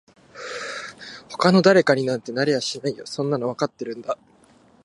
他の誰かになんてなれやしないよそんなのわかってるんだ